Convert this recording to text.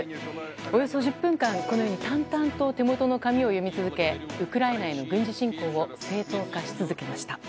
およそ１０分間、このように淡々と手元の紙を読み続けウクライナへの軍事侵攻を正当化し続けました。